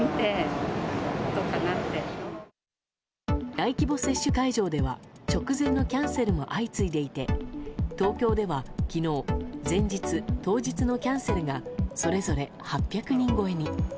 大規模接種会場では直前のキャンセルも相次いでいて東京では昨日前日・当日のキャンセルがそれぞれ８００人超えに。